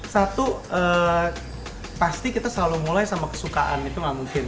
satu pasti kita selalu mulai dengan kesukaan